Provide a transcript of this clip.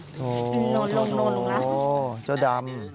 โอ้โฮโอ้โฮโอ้โฮเจ้าดำ